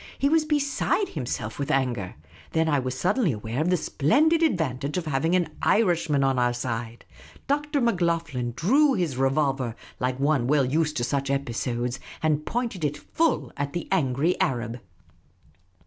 He was beside himself with anger. Then I was suddenly aware of the splendid ad vantage of having an Irishman on our side. Dr. Macloghlen drew his revolver, like one well used to such episodes, and pointed it full at the angry Arab.